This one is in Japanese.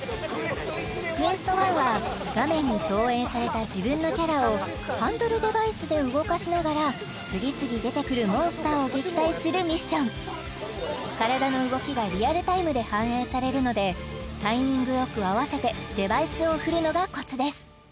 ＱＵＥＳＴ１は画面に投影された自分のキャラをハンドルデバイスで動かしながら次々出てくるモンスターを撃退するミッション体の動きがリアルタイムで反映されるのでタイミングよく合わせてデバイスを振るのがコツです